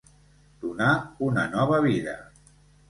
Donar una nova vida!